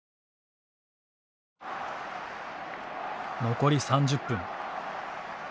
残り３０分。